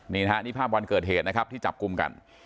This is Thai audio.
นี่นะฮะนี่ภาพวันเกิดเหตุนะครับที่จับกลุ่มกัน